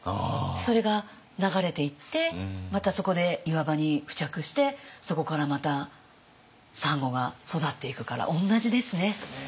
それが流れていってまたそこで岩場に付着してそこからまたサンゴが育っていくから同じですね。